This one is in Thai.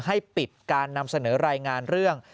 ให้ปิดการนำเสนอรายงานเรื่อง